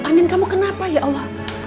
amin kamu kenapa ya allah